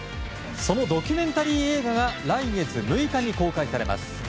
そのドキュメンタリー映画が来月６日に公開されます。